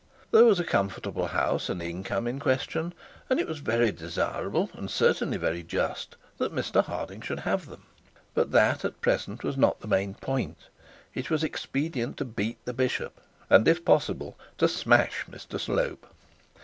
There was a comfortable house and income in question, and it was very desirable, and certainly very just, that Mr Harding should have them; but that, at present, was not the main point; it was expedient to beat the bishop, and if possible to smash Mr Slope.